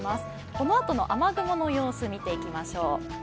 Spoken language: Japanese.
このあとの雨雲の様子、見ていきましょう。